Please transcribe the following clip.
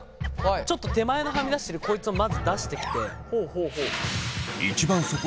ちょっと手前のはみ出しているこいつをまず出してきて。